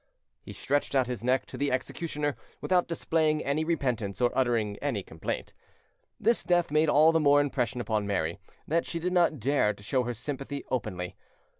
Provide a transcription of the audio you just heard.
he stretched out his neck to the executioner, without displaying any repentance or uttering any complaint. This death made all the more impression upon Mary, that she did not dare to show her sympathy openly.